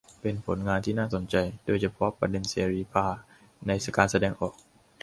เป็นผลงานที่น่าสนใจโดยเฉพาะประเด็นเสรีภาในการแสดงออก